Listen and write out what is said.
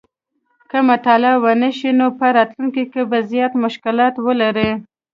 که مطالعه ونه شي نو په راتلونکي کې به زیات مشکلات ولري